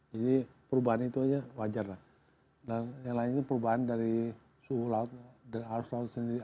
jadi perubahan itu aja wajar lah dan yang lainnya perubahan dari suhu laut dari arus laut sendiri